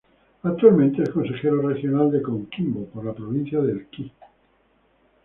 Actualmente es consejero regional de Coquimbo por la Provincia de Elqui.